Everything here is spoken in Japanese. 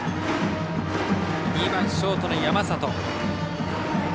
２番ショートの山里。